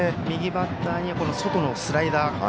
右バッターには外のスライダー。